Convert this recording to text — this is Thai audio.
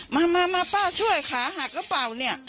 มามามาป้าช่วยขาหากระเป๋าเนี่ย